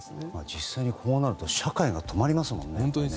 実際にこうなると社会が止まりますもんね。